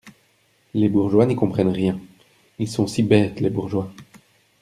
… les bourgeois n'y comprennent rien … ils sont si bêtes, les bourgeois !